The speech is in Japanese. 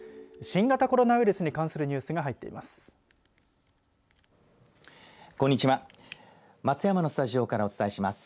新型コロナウイルスに関するニュースが入っています。